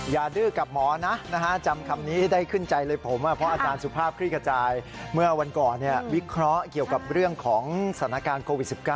ดื้อกับหมอนะจำคำนี้ได้ขึ้นใจเลยผมเพราะอาจารย์สุภาพคลี่ขจายเมื่อวันก่อนวิเคราะห์เกี่ยวกับเรื่องของสถานการณ์โควิด๑๙